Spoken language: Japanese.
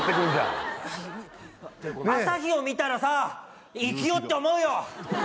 朝日を見たらさ生きようって思うよ。